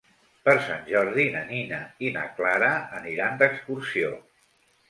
Per Sant Jordi na Nina i na Clara aniran d'excursió.